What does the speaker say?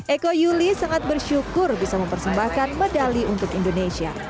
eko yuli sangat bersyukur bisa mempersembahkan medali untuk indonesia